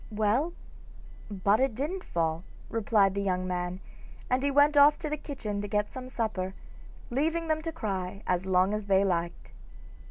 'Well, but it didn't fall,' replied the young man, and he went off to the kitchen to get some supper, leaving them to cry as long as they liked.